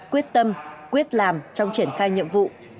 quyết tâm quyết làm trong triển khai nhiệm vụ